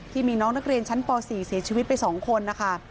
ที่มีน้องนักเรียนชั้นป๔เสียชีวิตไป๒คนนะคะ